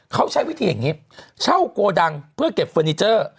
เขาใช้วิธีอย่างนี้เช่าโกดังเพื่อเก็บเฟอร์นิเจอร์